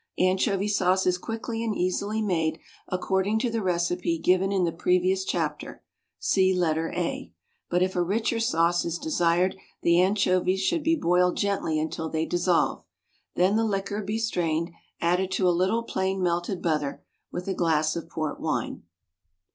= Anchovy sauce is quickly and easily made according to the recipe given in the previous chapter (see letter A), but if a richer sauce is desired, the anchovies should be boiled gently until they dissolve. Then the liquor be strained, added to a little plain melted butter with a glass of port wine.